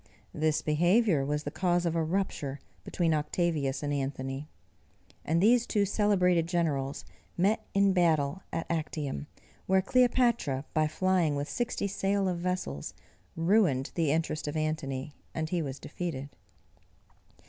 This behaviour was the cause of a rupture between Octavius and Antony; and these two celebrated generals met in battle at Actium, where Cleopatra, by flying with sixty sail of vessels, ruined the interest of Antony, and he was defeated.